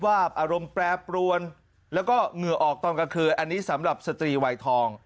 อารมณ์แปรปรวนแล้วก็เหงื่อออกตอนกลางคืนอันนี้สำหรับสตรีวัยทอง